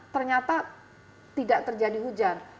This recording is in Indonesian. ternyata tidak terjadi hujan